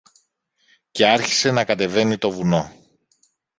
Και άρχισε να κατεβαίνει το βουνό.